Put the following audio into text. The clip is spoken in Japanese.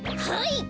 はい！